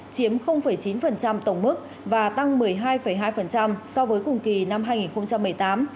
chiếm chín tổng mức và tăng một mươi hai hai so với cùng kỳ năm hai nghìn một mươi tám